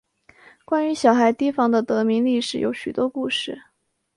关于小孩堤防的得名历史有许多故事。